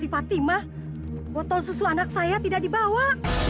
fatimah botol susu anak saya tidak dibawa